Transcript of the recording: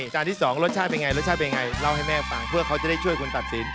จานที่สองรสชาติเป็นไงรสชาติเป็นยังไงเล่าให้แม่ฟังเพื่อเขาจะได้ช่วยคนตัดสิน